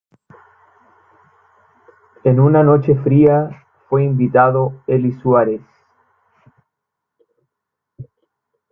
En "Una nueva noche fría", fue invitado Eli Suárez.